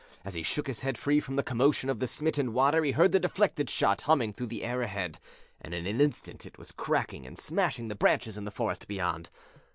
As he shook his head free from the commotion of the smitten water he heard the deflected shot humming through the air ahead, and in an instant it was cracking and smashing the branches in the forest beyond.